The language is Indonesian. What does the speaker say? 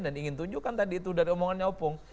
dan ingin tunjukkan tadi itu dari omongannya opung